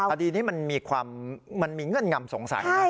พอดีนี้มันมีเงินงำสงสัย